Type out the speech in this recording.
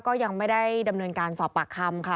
ก็ยังไม่ได้ดำเนินการสอบปากคำค่ะ